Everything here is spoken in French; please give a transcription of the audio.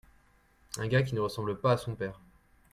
Un gars qui ne ressemble pas à son père.